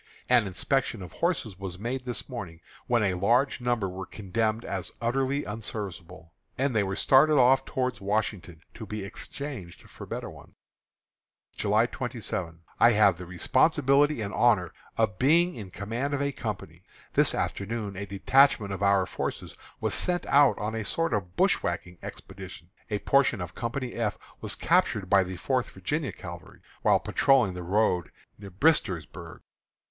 An inspection of horses was made this morning, when a large number were condemned as utterly unserviceable; and they were started off toward Washington, to be exchanged for better ones. July 27. I have the responsibility and honor of being in command of a company. This afternoon a detachment of our forces was sent out on a sort of bushwhacking expedition. A portion of Company F was captured by the Fourth Virginia Cavalry, while patrolling the road near Bristersburg.